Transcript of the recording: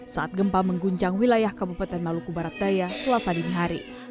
saat gempa mengguncang wilayah kebupaten maluku barat daya selasa dinihari